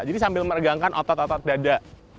sambil meregangkan otot otot dada